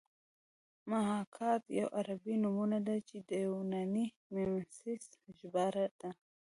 محاکات یوه عربي نومونه ده چې د یوناني میمیسیس ژباړه ده